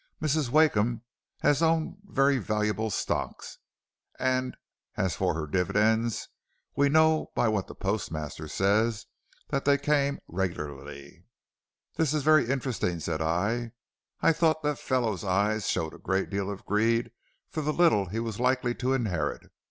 Mrs. Wakeham has owned very valuable stocks, and as for her dividends, we know by what the postmaster says that they came regularly.' "'This is very interesting,' said I. 'I thought that fellow's eyes showed a great deal of greed for the little he was likely to inherit.